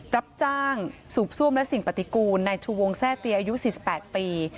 รับจ้างสูบซ่วมและสิ่งปฏิกูลในชูวงแทร่เตียอายุ๔๘ปี